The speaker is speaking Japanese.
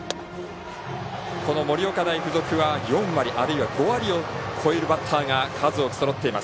この盛岡大付属は４割、あるいは５割を超えるバッターが数多くそろっています。